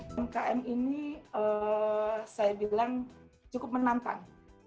umkm ini saya bilang cukup menantang